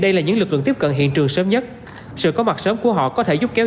đây là những lực lượng tiếp cận hiện trường sớm nhất sự có mặt sớm của họ có thể giúp kéo